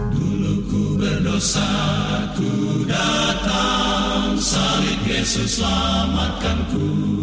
dulu ku berdosa ku datang saling yesus selamatkan ku